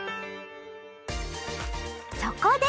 そこで！